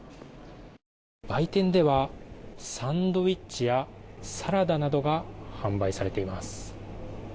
売店では、サンドイッチやサラダなどが販売されています。